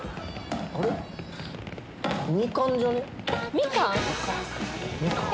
みかん⁉